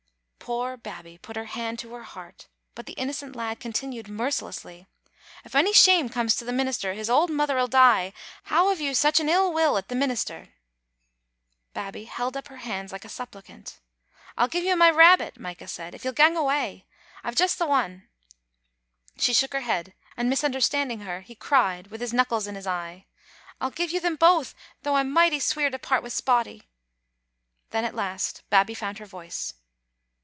Poor Babbie put her hand to her heart, but the inno cent lad continued mercilessly — '*If ony shame comes to the minister, his auld mither'll die. How have you sic an ill will at the minister?" Babbie held up her hands like a supplicant. •* I'll gie you my rabbit," Micah said, " if you'll gang awa. I've juist the ane." She shook her head, and, misunderstanding her, he cried, with his knuckles in his eye, "I'll gie you them baith, though I'm michty sweer to part wi' Spotty." Then at last Babbie found her voice.